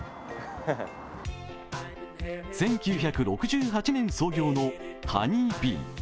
まずは１９６８年創業のハニービー。